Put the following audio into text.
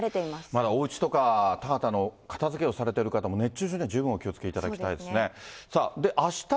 まだおうちとか田畑の片づけをされている方も、熱中症には十分お気をつけいただきたいですね。